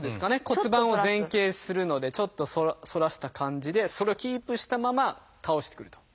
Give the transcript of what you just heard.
骨盤を前傾するのでちょっと反らした感じでそれをキープしたまま倒してくると。